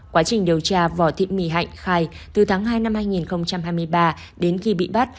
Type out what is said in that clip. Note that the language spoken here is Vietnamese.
quá trình điều tra vỏ thịt mì hạnh khai từ tháng hai năm hai nghìn hai mươi ba đến khi bị bắt